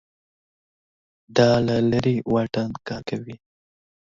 دا له لرې واټن کار کوي